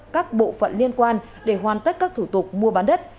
các bộ phận liên quan để hoàn tất các thủ tục mua bán đất